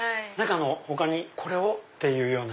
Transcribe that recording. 他にこれを！っていうような。